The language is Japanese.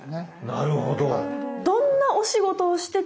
なるほど。